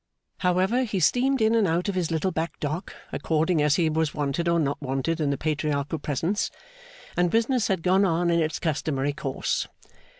However, he steamed in and out of his little back Dock according as he was wanted or not wanted in the Patriarchal presence, and business had gone on in its customary course.